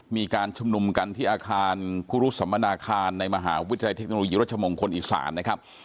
มีการชุมนุมกันที่อาคารคุรุษสมนาคารในมหาวิทยาลัยเทคโนโลยีรัชมงคลอีสานนะครับ